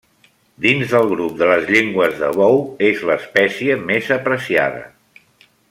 Dins del grup de les llengües de bou, és l'espècie més apreciada.